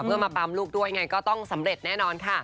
เพื่อมาปั๊มลูกด้วยไงก็ต้องสำเร็จแน่นอนค่ะ